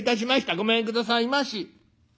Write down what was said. ごめんくださいまし。